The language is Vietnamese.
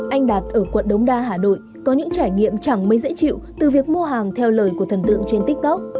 anh đạt ở quận đống đa hà nội có những trải nghiệm chẳng mấy dễ chịu từ việc mua hàng theo lời của thần tượng trên tiktok